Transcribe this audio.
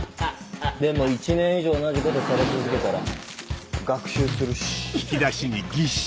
でも１年以上同じことされ続けたら学習するし。